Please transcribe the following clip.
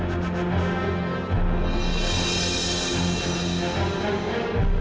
sampai jumpa lagi